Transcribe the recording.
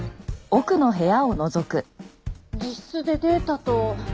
自室でデータと。